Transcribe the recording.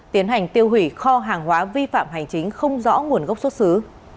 tiến hành tiêu hủy kho hàng hóa vi phạm hành chính không rõ nguồn gốc xuất xứ